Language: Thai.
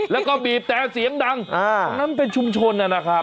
แล้วก็บีบแต่เสียงดังตรงนั้นเป็นชุมชนนะครับ